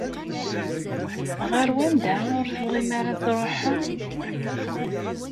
Ɣer wanda ur tebɣim ara ad tṛuḥem?